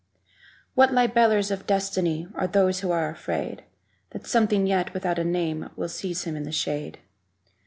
What libellers of destiny Are these who are afraid That something yet without a name Will seize him in the shade?